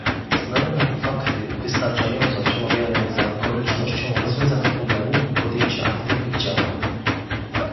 Znane nam fakty wystarczająco przemawiają za koniecznością rozwiązania problemu i podjęcia aktywnych działań